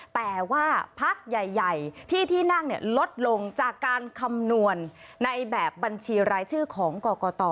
แต่ว่าพักใหญ่ที่ที่นั่งลดลงจากการคำนวณในแบบบัญชีรายชื่อของกรกต